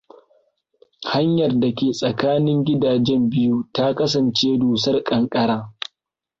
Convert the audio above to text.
Hanyar da ke tsakanin gidajen biyu ta kasance dusar ƙanƙara.